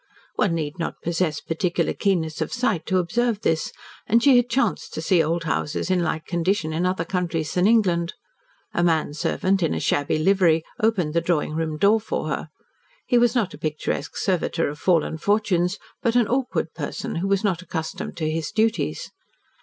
One need not possess particular keenness of sight to observe this, and she had chanced to see old houses in like condition in other countries than England. A man servant, in a shabby livery, opened the drawing room door for her. He was not a picturesque servitor of fallen fortunes, but an awkward person who was not accustomed to his duties.